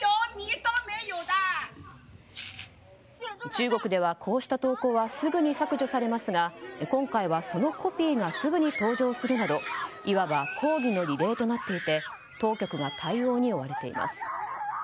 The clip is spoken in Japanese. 中国では、こうした投稿はすぐに削除されますが今回はそのコピーがすぐに登場するなどいわば抗議のリレーとなっていて当局が対応に追われています。